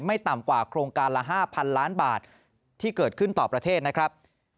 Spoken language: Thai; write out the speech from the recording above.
ต่ำกว่าโครงการละ๕๐๐๐ล้านบาทที่เกิดขึ้นต่อประเทศนะครับ